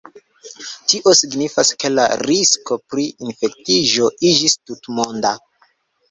Tio signifas ke la risko pri infektiĝo iĝis tutmonda.